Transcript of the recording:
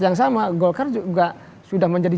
yang sama golkar juga sudah menjadi